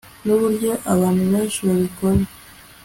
nuburyo abantu benshi babikora